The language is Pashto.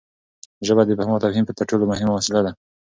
ژبه د افهام او تفهیم تر ټولو مهمه وسیله ده.